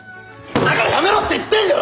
だからやめろって言ってんだろ！